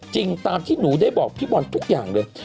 จริงตามที่หนูได้บอกพี่บอลทุกอย่างเลย